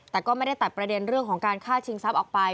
แต่ก็ไม่ได้ตัดประเด็นเรื่องของการฆ่าชิงทรัพย์ออกไป